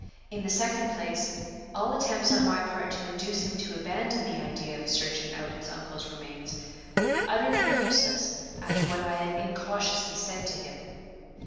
In the second place, all attempts on my part to induce him to abandon the idea of searching out his uncle's remains would be utterly useless after what I had incautiously said to him.